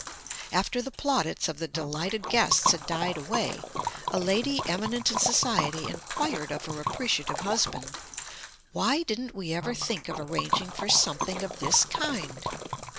After the plaudits of the delighted guests had died away, a lady eminent in society inquired of her appreciative husband: "Why didn't we ever think of arranging for something of this kind?"